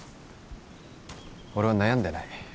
俺は悩んでない。